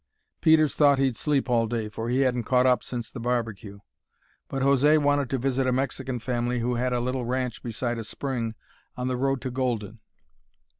Peters thought he'd sleep all day, for he hadn't caught up since the barbecue; but José wanted to visit a Mexican family who had a little ranch beside a spring on the road to Golden.